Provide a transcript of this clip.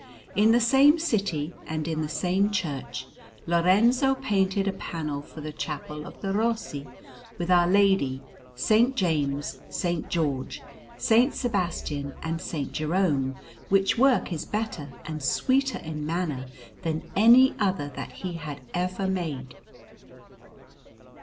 In the same city, and in the same church, Lorenzo painted a panel for the Chapel of the Rossi, with Our Lady, S. James, S. George, S. Sebastian, and S. Jerome; which work is better and sweeter in manner than any other that he ever made.